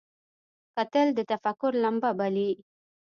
کتل د تفکر لمبه بلي